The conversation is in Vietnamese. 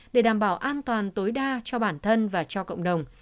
để đảm bảo an toàn tối đa cho bản thân và cho cộng đồng